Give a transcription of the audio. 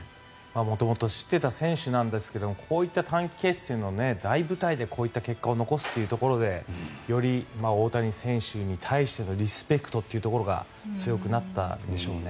元々知っていた選手なんですけどこういった短期決戦の舞台でこういった結果を残すというところでより大谷選手に対してのリスペクトというところが強くなったんでしょうね。